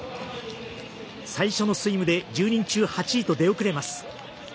最初のスイムで１０人中８位と出遅れます。